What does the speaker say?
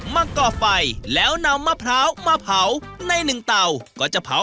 มันก็ไฟแล้วนำมะเผามะเป๋าในหนึ่งเตาก็จะเผา